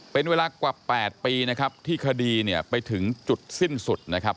เป็นเวลากว่า๘ปีนะครับที่คดีเนี่ยไปถึงจุดสิ้นสุดนะครับ